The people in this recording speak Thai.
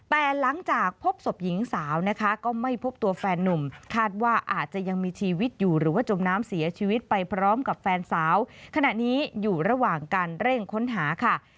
แต่หลังจากพบศพหญิงสาวนะคะก็ไม่พบตัวแฟนนุ่มคาดว่าอาจจะยังมีชีวิตอยู่หรือว่าจมน้ำเสียชีวิตไปพร้อมกับแฟนสาวขณะนี้อยู่ระหว่างการเร่งค้นหาค่ะ